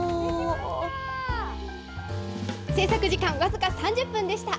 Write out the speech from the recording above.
製作時間僅か３０分でした。